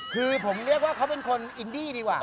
คือผมเรียกว่าเขาเป็นคนอินดี้ดีกว่า